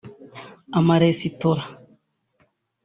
amaresitora